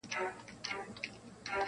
دا وطن دی د رنځورو او خوږمنو-